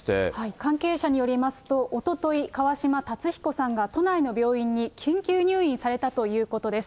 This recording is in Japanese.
関係者によりますと、おととい、川嶋辰彦さんが都内の病院に緊急入院されたということです。